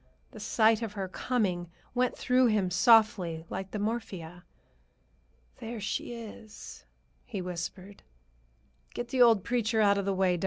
The sight of her, coming, went through him softly, like the morphia. "There she is," he whispered. "Get the old preacher out of the way, doc.